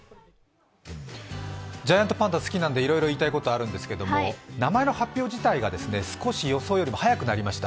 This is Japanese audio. ジャイアントパンダ好きなんでいろいろ言いたいことがあるんですけど名前の発表自体が少し予想よりも早くなりました。